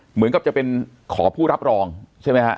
เหมือนกับจะเป็นขอผู้รับรองใช่ไหมฮะ